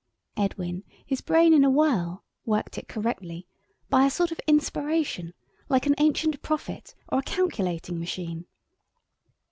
Edwin, his brain in a whirl, worked it correctly, by a sort of inspiration, like an ancient prophet or a calculating machine.